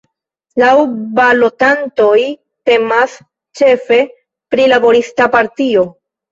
Laŭ balotantoj temas ĉefe pri laborista partio.